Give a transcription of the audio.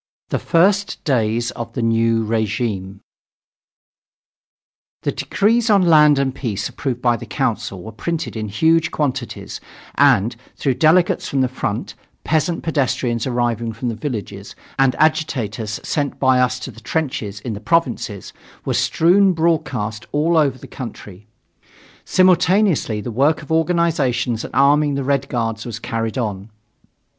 THE FIRST DAYS OF THE NEW REGIME The decrees on land and peace, approved by the Council, were printed in huge quantities and through delegates from the front, peasant pedestrians arriving from the villages, and agitators sent by us to the trenches in the provinces were strewn broadcast all over the country. Simultaneously the work of organizing and arming the Red Guards was carried on.